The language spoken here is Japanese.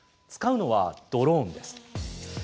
使うのはドローンです。